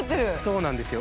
そうなんですよ。